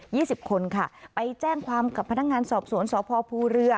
สิบคนค่ะไปแจ้งความกับพนักงานสอบสวนสพภูเรือ